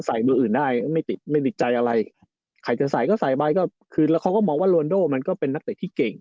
มืออื่นได้ไม่ติดไม่ติดใจอะไรใครจะใส่ก็ใส่ไปก็คือแล้วเขาก็มองว่าโรนโดมันก็เป็นนักเตะที่เก่ง